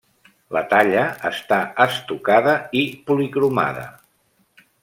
La talla està estucada i policromada.